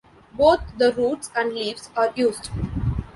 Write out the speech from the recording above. Both the roots and leaves are used.